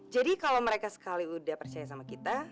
jadi kalau mereka sekali udah percaya sama kita